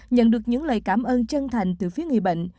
nhận được những lời cảm ơn chân thành từ phía người bệnh